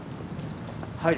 はい。